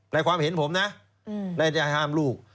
ในความเห็นผมนะน่าจะห้ามลูก